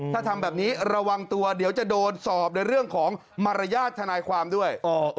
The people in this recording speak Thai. ถ้าทำแบบนี้ระวังตัวเดี๋ยวจะโดนสอบในเรื่องของมารยาทธนายความด้วย